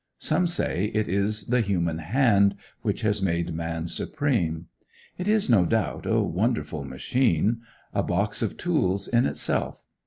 Some say it is the human hand which has made man supreme. It is, no doubt, a wonderful machine; a box of tools in itself.